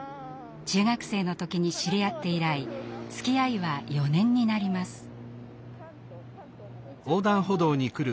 中学生の時に知り合って以来つきあいは４年になります。